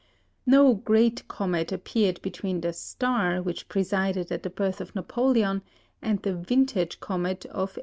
No great comet appeared between the "star" which presided at the birth of Napoleon and the "vintage" comet of 1811.